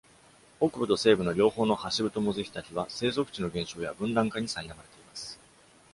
北部と西部の両方のハシブトモズヒタキは、生息地の減少や分断化にさいなまれています。